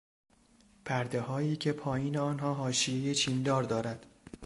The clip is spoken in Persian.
پردههایی که پایین آنها حاشیهی چیندار دارد